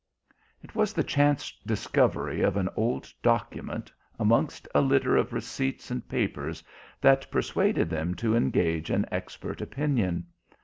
It was the chance discovery of an old document amongst a litter of receipts and papers that persuaded them to engage an expert opinion.